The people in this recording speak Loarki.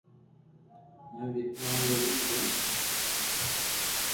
موئي وڙوا ڪوئي دي